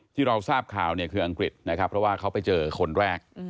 ที่เราทราบข่าวเนี่ยคืออังกฤษนะครับเพราะว่าเขาไปเจอคนแรก